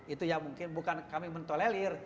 itu ya mungkin bukan kami mentolelir